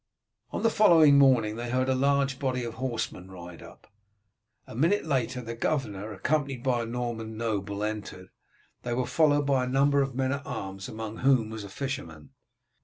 On the following morning they heard a large body of horsemen ride up. A minute later the governor accompanied by a Norman noble entered. They were followed by a number of men at arms, among whom was a fisherman.